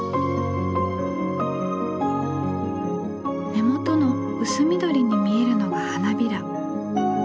根元の薄緑に見えるのが花びら。